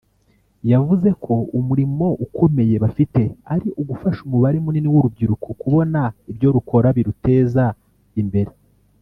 yavuze ko umurimo ukomeye bafite ari ugufasha umubare munini w’urubyiruko kubona ibyo rukora biruteza imbere